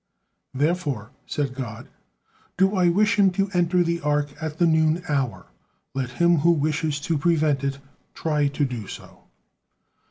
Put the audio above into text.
Therefore," said God, "do I wish him to enter the ark at the noon hour. Let him who wishes to prevent it try to do so."